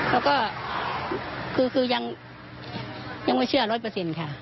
แล้วก็คือยังไม่เชื่อ๑๐๐ค่ะ